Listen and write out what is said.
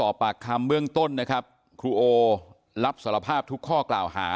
สอบปากคำเบื้องต้นนะครับครูโอรับสารภาพทุกข้อกล่าวหา